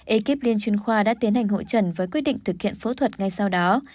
ekip liên chuyên khoa đã tiến hành hội trần với quyết định thực hiện phẫu thuật ngay sau đó